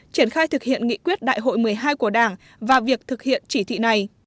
triển khai thực hiện nghị quyết đại hội một mươi hai của đảng và việc thực hiện chỉ thị này